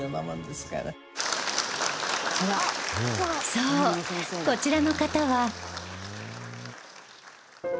そうこちらの方は